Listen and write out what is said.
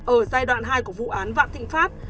ở giai đoạn hai của vụ án vạn thịnh pháp